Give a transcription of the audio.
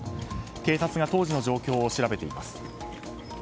警察が当時の状況を調べています。